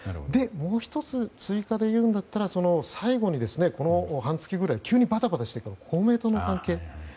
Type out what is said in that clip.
もう１つ、追加で言うんだったら最後に、半月くらい急にバタバタしていた公明党の関係。